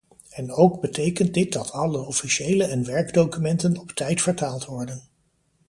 En ook betekent dit dat alle officiële en werkdocumenten op tijd vertaald worden.